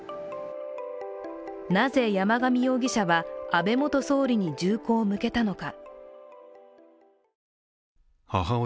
なぜ山上容疑者は、安倍元総理に銃口を向けたのか。